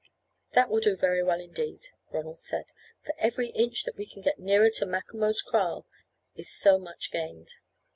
"That will do very well indeed," Ronald said, "for every inch that we can get nearer to Macomo's kraal is so much gained."